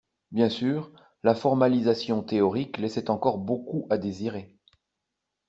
Bien sûr, la formalisation théorique laissait encore beaucoup à désirer.